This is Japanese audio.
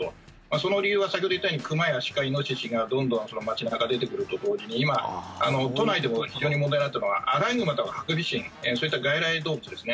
その理由は先ほど言ったように熊や鹿、イノシシがどんどん街中に出てくると同時に今、都内でも非常に問題になっているのはアライグマとかハクビシンそういった外来動物ですね。